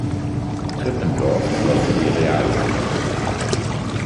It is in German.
Krippendorff schloss die Realschule ab.